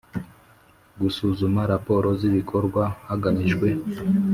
Gusuzuma raporo z ibikorwa hagamijwe